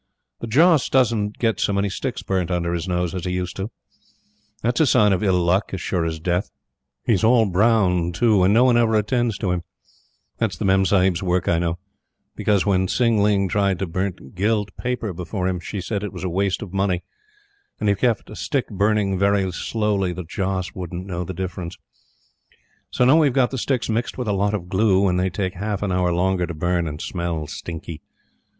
The Joss doesn't get so many sticks burnt under his nose as he used to; that's a sign of ill luck, as sure as Death. He's all brown, too, and no one ever attends to him. That's the Memsahib's work, I know; because, when Tsin ling tried to burn gilt paper before him, she said it was a waste of money, and, if he kept a stick burning very slowly, the Joss wouldn't know the difference. So now we've got the sticks mixed with a lot of glue, and they take half an hour longer to burn, and smell stinky.